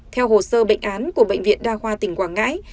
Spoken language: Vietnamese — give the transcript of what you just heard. theo hồ sơ bệnh án của bệnh viện đa khoa tỉnh quảng ngãi